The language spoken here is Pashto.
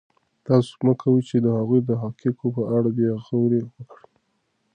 تاسو مه کوئ چې د هغوی د حقایقو په اړه بې غوري وکړئ.